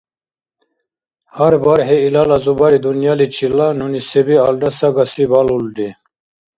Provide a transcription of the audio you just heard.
Гьар бархӀи илала зубари-дунъяличила нуни се-биалра сагаси балулри.